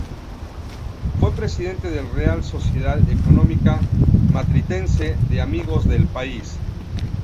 Fue presidente de Real Sociedad Económica Matritense de Amigos del País.